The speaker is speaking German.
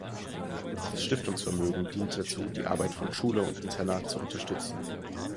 Das Stiftungsvermögen dient dazu, die Arbeit von Schule und Internat zu unterstützen.